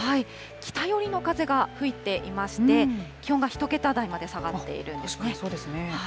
北寄りの風が吹いていまして、気温が１桁台まで下がっているんですね。